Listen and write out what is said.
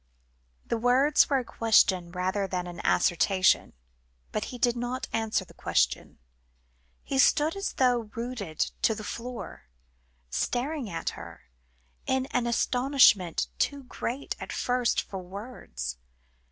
The words were a question rather than an assertion, but he did not answer the question. He stood as though rooted to the floor, staring at her, in an astonishment too great at first for words.